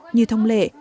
như thông lệ